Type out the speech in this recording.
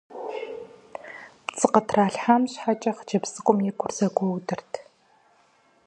ПцӀы къытралъхьам щхьэкӀэ хъыджэбз цӀыкӀум и гур зэгуэудырт.